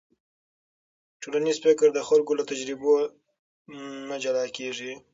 ټولنیز فکر د خلکو له تجربو نه جلا کېږي.